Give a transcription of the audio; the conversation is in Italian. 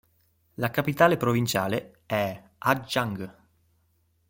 La capitale provinciale è Hà Giang.